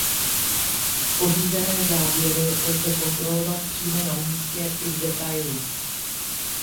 Pořízené záběry lze kontrolovat přímo na místě i v detailu.